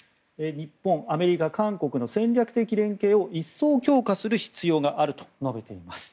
日本、アメリカ、韓国の戦略的連携を一層強化する必要があると述べています。